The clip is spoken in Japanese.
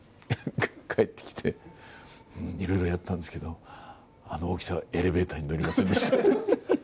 帰ってきて、いろいろやったんですけど、あの大きさはエレベーターに乗りませんでしたって。